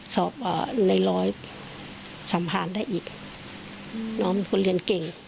สอบว่าในร้อยสัมภาษณ์ได้อีกน้องเป็นคนเรียนเก่ง